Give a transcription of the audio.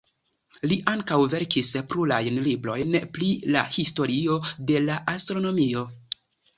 Li ankaŭ verkis plurajn librojn pri la historio de la astronomio.